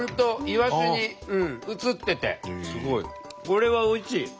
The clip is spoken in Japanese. これはおいしい！